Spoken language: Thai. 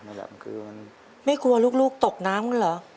มันแบบมันคือไม่กลัวลูกตกน้ำกันเหรอ